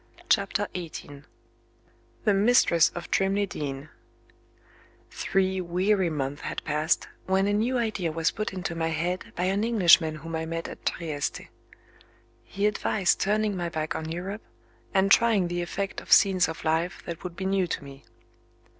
CHAPTER XVIII THE MISTRESS OF TRIMLEY DEEN Three weary months had passed, when a new idea was put into my head by an Englishman whom I met at Trieste. He advised turning my back on Europe, and trying the effect of scenes of life that would be new to me.